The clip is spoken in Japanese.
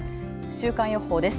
週間予報です。